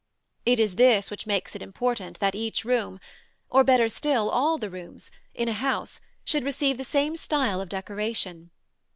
It is this which makes it important that each room (or, better still, all the rooms) in a house should receive the same style of decoration.